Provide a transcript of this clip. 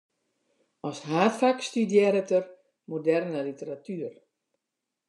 As haadfak studearret er moderne literatuer.